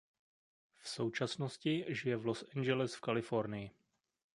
V současnosti žije v Los Angeles v Kalifornii.